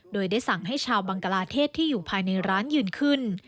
โดยได้สั่งให้ชาวบังกลาเทศที่อยู่ภายในร้านยืนขึ้น